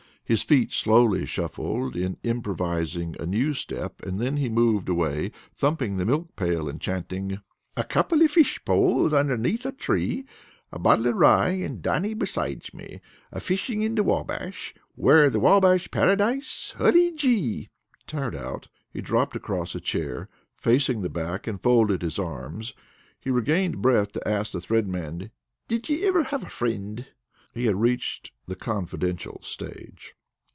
His feet slowly shuffled in improvising a new step, and then he moved away, thumping the milk pail and chanting: "A couple of fish poles underneath a tree, A bottle of Rye and Dannie beside me A fishing in the Wabash. Were the Wabash Paradise? HULLY GEE! Tired out, he dropped across a chair facing the back and folded his arms. He regained breath to ask the Thread Man: "Did you iver have a frind?" He had reached the confidential stage.